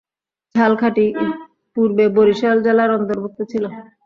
ঝালকাঠি পূর্বে বরিশাল জেলার অন্তর্ভুক্ত ছিল।